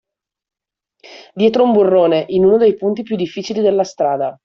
Dietro un burrone, in uno dei punti più difficili della strada.